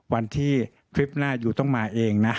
วันที่คลิปหน้าอยู่ต้องมาเองนะ